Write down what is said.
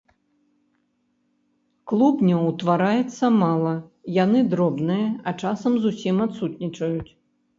Клубняў утвараецца мала, яны дробныя, а часам зусім адсутнічаюць.